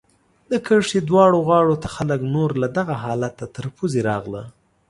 د کرښې دواړو غاړو ته خلک نور له دغه حالته تر پوزې راغله.